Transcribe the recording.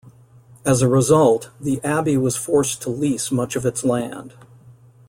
As a result, the abbey was forced to lease much of its land.